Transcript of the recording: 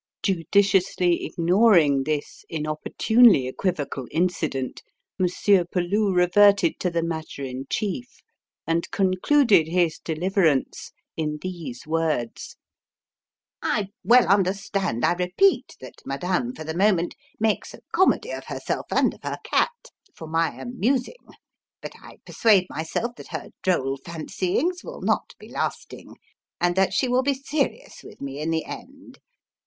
Judiciously ignoring this inopportunely equivocal incident, Monsieur Peloux reverted to the matter in chief and concluded his deliverance in these words: "I well understand, I repeat, that Madame for the moment makes a comedy of herself and of her cat for my amusing. But I persuade myself that her droll fancyings will not be lasting, and that she will be serious with me in the end.